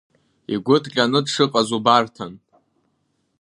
Игәы ҭҟьаны дшыҟаз убарҭан.